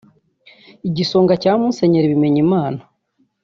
Igisonga cya Musenyeri Bimenyimana